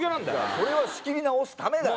それは仕切り直すためだよ。